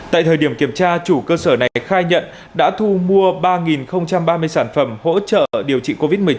tại thời điểm kiểm tra chủ cơ sở này khai nhận đã thu mua ba ba mươi sản phẩm hỗ trợ điều trị covid một mươi chín